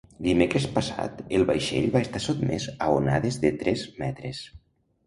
Dimecres passat, el vaixell va estar sotmès a onades de tres metres.